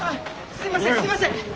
すいませんすいません。